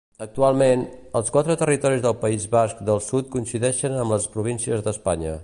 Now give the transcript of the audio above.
Actualment, els quatre territoris del País Basc del Sud coincideixen amb les províncies d'Espanya.